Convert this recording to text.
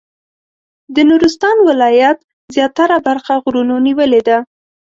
د نورستان ولایت زیاتره برخه غرونو نیولې ده.